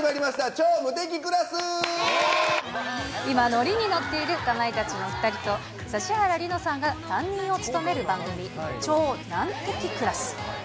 超無敵今、乗りに乗っているかまいたちの２人と、指原莉乃さんが担任を務める番組、ちょうなんてきクラス。